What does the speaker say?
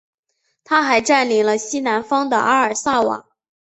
他还占领了西南方的阿尔萨瓦。